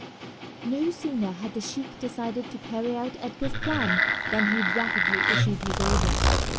No sooner had the sheik decided to carry out Edgar's plan than he rapidly issued his orders.